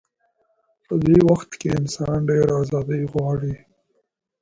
په دې وخت کې انسان ډېره ازادي غواړي.